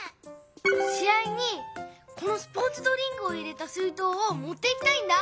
し合にこのスポーツドリンクを入れた水とうをもっていきたいんだ。